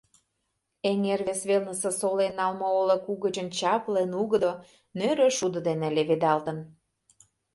Эҥер вес велнысе солен налме олык угычын чапле нугыдо, нӧрӧ шудо дене леведалтын.